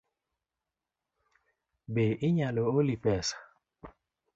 Be anyalo oli pesa?